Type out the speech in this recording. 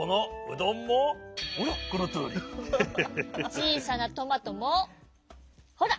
ちいさなトマトもほら。